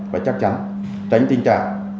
và chắc chắn tránh tình trạng